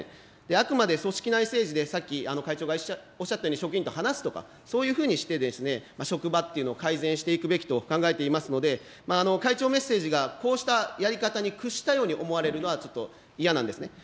あくまで組織内政治でさっき会長がおっしゃったように職員と話すとか、そういうふうにして、職場というのを改善していくべきと考えていますので、会長メッセージがこうしたやり方に屈したように思われるのはちょっと嫌なんですね。